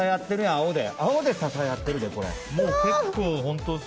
青で支え合ってるで、これ。